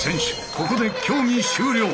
ここで競技終了。